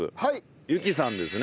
ゆきさんですね。